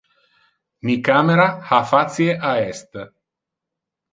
Mi camera ha facie a est.